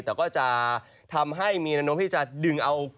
แต่ก็จะทำให้มีระนมที่จะดึงเอา